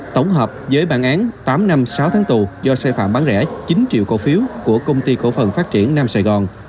tổng hợp với bản án tám năm sáu tháng tù do sai phạm bán rẻ chín triệu cổ phiếu của công ty cổ phần phát triển nam sài gòn